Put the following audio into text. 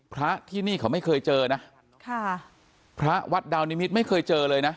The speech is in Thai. พระที่นี่เขาไม่เคยเจอนะค่ะพระวัดดาวนิมิตรไม่เคยเจอเลยนะ